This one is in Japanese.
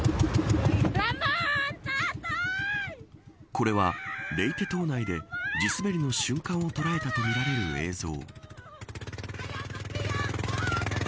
これはレイテ島内で地すべりの瞬間を捉えたとみられる映像。